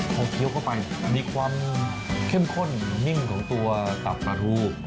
พอเคี้ยวเข้าไปมีความเข้มข้นนิ่มของตัวตับปลาทู